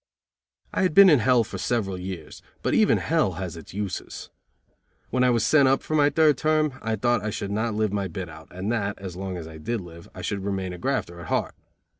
I had been in hell for several years; but even hell has its uses. When I was sent up for my third term, I thought I should not live my bit out, and that, as long as I did live, I should remain a grafter at heart.